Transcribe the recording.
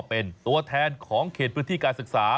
เป็นตัวแทนของเขตพื้นที่การศึกษา